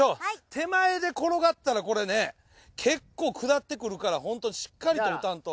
手前で転がったらこれね結構下ってくるからホントにしっかりと打たんと。